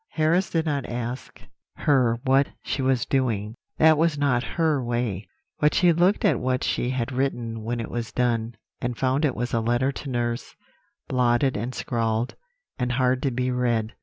"Harris did not ask her what she was doing; that was not her way; but she looked at what she had written when it was done, and found it was a letter to nurse, blotted and scrawled, and hard to be read.